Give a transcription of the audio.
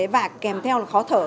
và kèm theo là khó thở